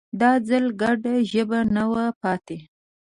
دا ځل ګډه ژبه نه وه پاتې